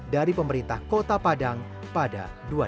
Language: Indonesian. dari pemerintah kota padang pada dua ribu delapan belas